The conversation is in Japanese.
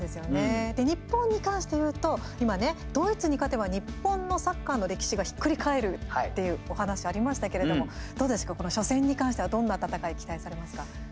日本に関して言うと、今ねドイツに勝てば日本のサッカーの歴史がひっくり返るっていうお話ありましたけれどもこの初戦に関してはどんな戦い期待されますか。